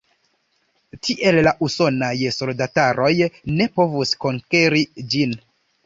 Tiel la usonaj soldataroj ne povus konkeri ĝin.